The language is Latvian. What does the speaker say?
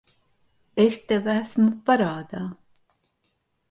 Es tev esmu parādā.